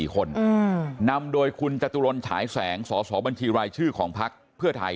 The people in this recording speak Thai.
๔คนนำโดยคุณจตุรนฉายแสงสสบัญชีรายชื่อของพักเพื่อไทย